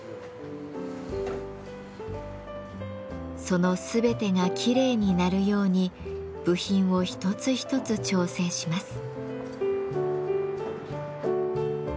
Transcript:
その全てがきれいに鳴るように部品を一つ一つ調整します。